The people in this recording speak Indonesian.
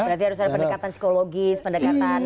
berarti harus ada pendekatan psikologis pendekatan